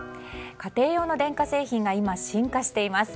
家庭用の電化製品が今、進化しています。